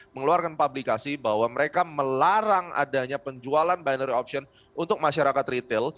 mengeluarkan publikasi bahwa mereka melarang adanya penjualan binary option untuk masyarakat retail